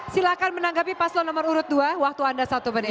silahkan menanggapi paslon nomor urut dua waktu anda satu menit